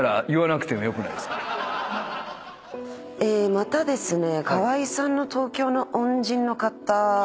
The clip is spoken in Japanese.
またですね。